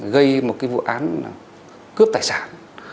gây một vụ án cướp tài sản